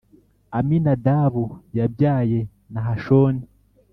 Aminadabu yabyaye Nahashoni,